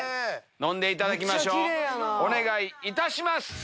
飲んでいただきましょうお願いいたします。